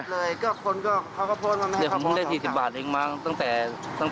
จบเลยก็คนก็เขาก็โพสต์มาแต่ผมได้๔๐บาทเองมาตั้งแต่๕โมง